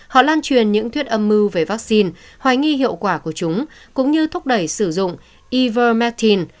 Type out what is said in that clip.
họ lan truyền những thuyết âm mưu về vaccine hoài nghi hiệu quả của chúng cũng như thúc đẩy sử dụng iver martin